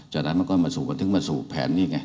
จากนั้นมันก็ถึงมาสู่แผนนี้ไง